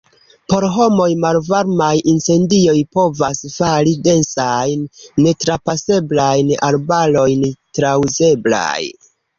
Por homoj, malvarmaj incendioj povas fari densajn, netrapaseblajn arbarojn trauzeblaj.